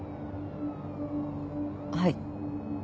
はい。